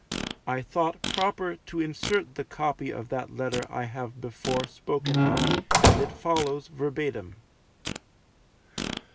I thought proper to insert the copy of that letter I have before spoken of, and it follows verbatim.